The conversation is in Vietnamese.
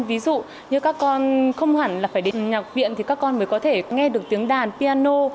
ví dụ như các con không hẳn là phải đến nhạc viện thì các con mới có thể nghe được tiếng đàn piano